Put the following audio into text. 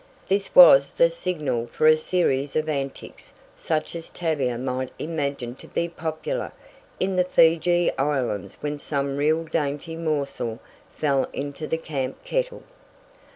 This was the signal for a series of antics such as Tavia might imagine to be popular in the Figi Islands when some real dainty morsel fell into the camp kettle.